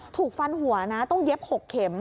ถูกฟันหัวนะต้องเย็บ๖เข็ม